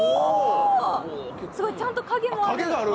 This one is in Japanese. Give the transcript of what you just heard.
すごい！ちゃんと影とかもある！